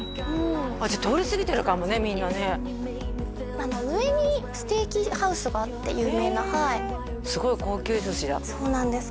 じゃあ通りすぎてるかもねみんなね上にステーキハウスがあって有名なへえすごい高級寿司だそうなんです